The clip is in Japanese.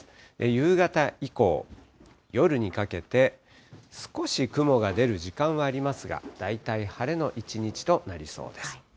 夕方以降、夜にかけて、少し雲が出る時間はありますが、大体晴れの一日となりそうです。